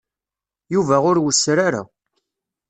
Yuba ur wesser ara.